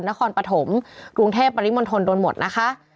นครปฐมกรุงเทพปริมณฑลโดนหมดนะคะ